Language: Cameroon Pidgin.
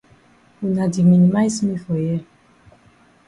Wuna di minimize me for here.